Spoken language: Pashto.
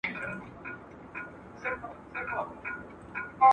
د طوفانونو پر وړاندې به ودریږئ.